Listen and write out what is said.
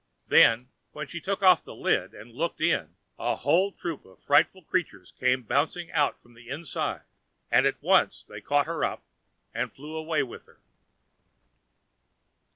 Then, when she took off the lid and looked in, a whole troop of frightful creatures came bouncing out from the inside, and at once they caught her up and flew away with her.